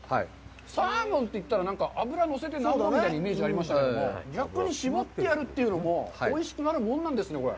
サーモンといったら、脂のせて何ぼというイメージがありましたが、逆に絞ってやるというのもおいしくなるものなんですね、これ。